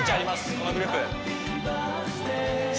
このグループ純